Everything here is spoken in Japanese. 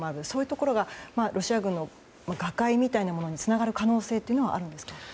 そういうところがロシア軍の瓦解みたいなものにつながる可能性はあるんですか。